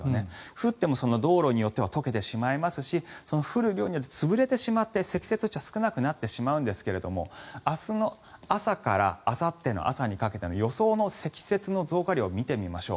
降っても、道路によっては解けてしまいますし降る量によって潰れてしまって積雪としては少なくなってしまうんですが明日の朝からあさっての朝にかけての予想の積雪の増加量を見てみましょう。